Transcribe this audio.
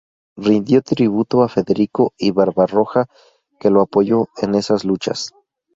Rindió tributo a Federico I Barbarroja, que lo apoyó en esas luchas.